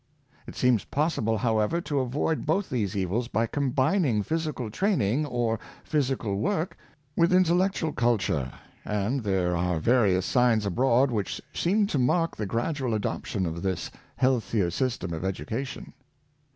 It seems possible, however, to avoid both these evils by combining physical training or physical work with intellectual culture, and there are various signs abroad which seem to mark the gradual adoption of this healthier system of education.